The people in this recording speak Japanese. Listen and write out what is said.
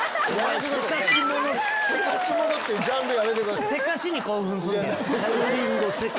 「急かしモノ」ってジャンルやめてください。